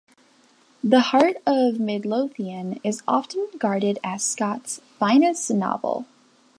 "The Heart of Midlothian" is often regarded as Scott's finest novel.